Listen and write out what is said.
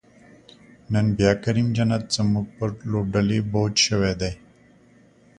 نن بیا کریم جنت زمونږ په لوبډلی بوج شوی دی